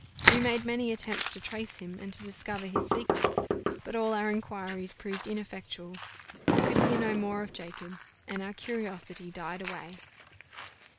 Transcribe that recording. We made many attempts to trace him, and to discover his secret; but all our inquiries proved ineffectual: we could hear no more of Jacob, and our curiosity died away.